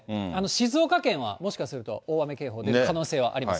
静岡県はもしかすると、大雨警報出る可能性はあります。